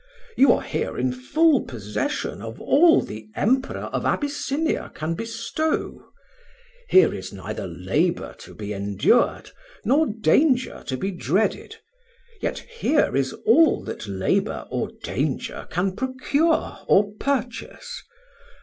You are here in full possession of all the Emperor of Abyssinia can bestow; here is neither labour to be endured nor danger to be dreaded, yet here is all that labour or danger can procure or purchase.